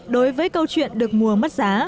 đối với câu chuyện được mua